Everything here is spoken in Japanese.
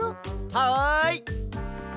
はい！